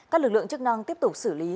các lực lượng chức năng tiếp tục xử lý